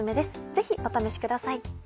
ぜひお試しください。